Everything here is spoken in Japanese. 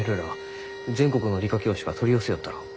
全国の理科教師が取り寄せよったろう？